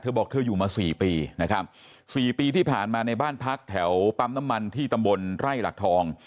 บอกเธออยู่มา๔ปีนะครับ๔ปีที่ผ่านมาในบ้านพักแถวปั๊มน้ำมันที่ตำบลไร่หลักทอง